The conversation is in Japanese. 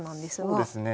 そうですね。